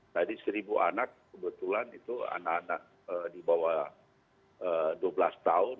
tadi seribu anak kebetulan itu anak anak di bawah dua belas tahun